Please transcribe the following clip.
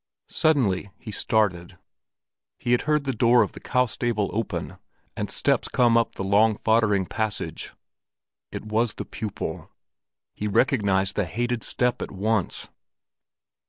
Suddenly he started. He had heard the door of the cow stable open, and steps upon the long foddering passage. It was the pupil. He recognized the hated step at once.